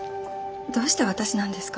どうして私なんですか？